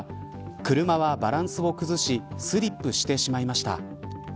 車はバランスを崩しスリップしてしまいました。